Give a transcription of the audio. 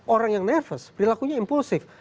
orang yang nervos perilakunya impulsif